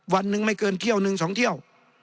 วันนึงไม่เกินเที่ยว๑๒เที่ยว